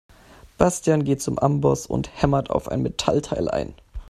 Bastian geht zum Amboss und hämmert auf ein Metallteil ein.